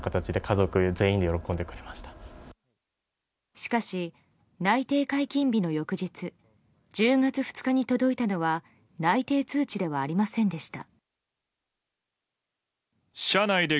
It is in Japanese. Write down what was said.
しかし、内定解禁日の翌日１０月２日に届いたのは内定通知ではありませんでした。